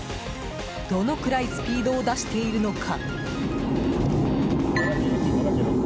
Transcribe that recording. どのくらいスピードを出しているのか。